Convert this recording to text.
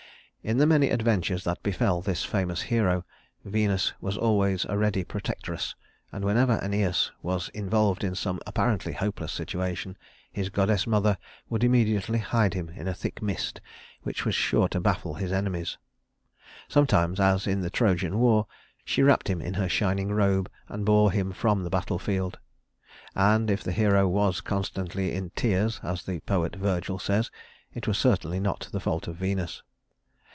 In the many adventures that befell this famous hero, Venus was always a ready protectress, and whenever Æneas was involved in some apparently hopeless situation, his goddess mother would immediately hide him in a thick mist which was sure to baffle his enemies. Sometimes, as in the Trojan war, she wrapped him in her shining robe and bore him from the battle field; and if the hero was constantly in tears, as the poet Virgil says, it was certainly not the fault of Venus.